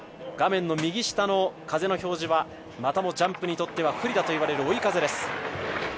画面の右下の風の表示は、またもジャンプにとっては不利だと言われる追い風です。